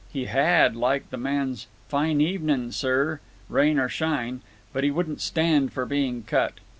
He had liked the man's "Fine evenin', sir "—rain or shine—but he wouldn't stand for being cut.